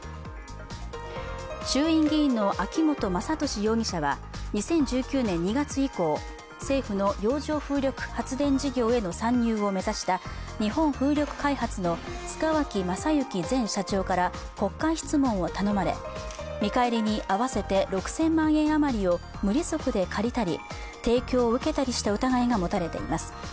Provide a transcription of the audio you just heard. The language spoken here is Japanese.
衆院議員の秋本真利容疑者は２０１９年２月以降政府の洋上風力発電事業への参入を目指した日本風力開発の塚脇正幸前社長から国会質問を頼まれ、見返りに合わせて６０００万円余りを無利息で借りたり、提供を受けたりした疑いが持たれています。